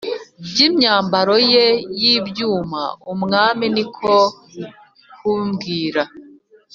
ry imyambaro ye y ibyuma Umwami ni ko kubwira